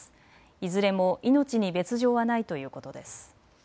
いずれも命に別状はないということです。